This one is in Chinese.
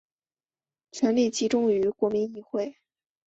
权力集中于国民议会。